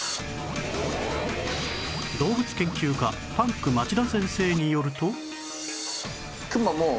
動物研究家パンク町田先生によると